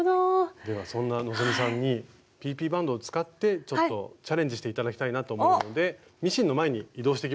ではそんな希さんにＰＰバンドを使ってちょっとチャレンジして頂きたいなと思うのでミシンの前に移動していきましょう。